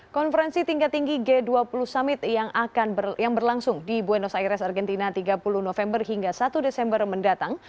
konferensi tingkat tinggi g dua puluh summit yang berlangsung di buenos aires argentina tiga puluh november hingga satu desember mendatang